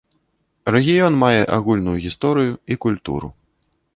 Рэгіён мае агульную гісторыю і культуру.